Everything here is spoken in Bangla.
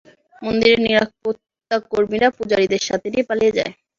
মন্দিরের নিরাপত্তাকর্মীরা পূজারীদের সাথে নিয়ে পালিয়ে যায়।